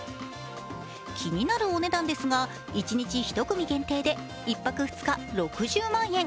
気になるお値段ですが一日１組限定で１泊２日６０万円。